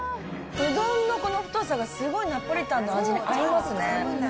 うどんのこの太さがすごいナポリタンの味に合いますね。